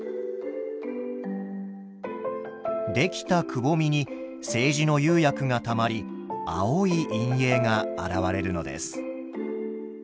出来たくぼみに青磁の釉薬がたまり青い陰影が現れるのです。